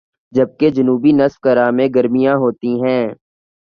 جبکہ جنوبی نصف کرہ میں گرمیاں ہوتی ہیں